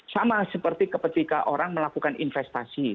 sama seperti ketika orang melakukan investasi